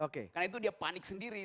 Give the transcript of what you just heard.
karena itu dia panik sendiri